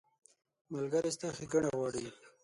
ملګری ستا ښېګڼه غواړي.